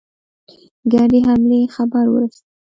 ګډې حملې خبر ورسېدی.